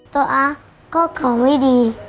ตัวอาก็ขอไม่ดี